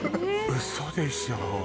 ウソでしょ